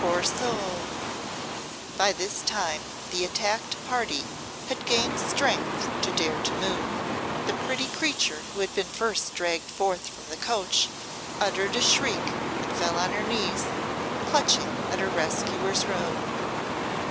poor soul!" By this time the attacked party had gained strength to dare to move. The pretty creature who had been first dragged forth from the coach uttered a shriek and fell on her knees, clutching at her rescuer's robe.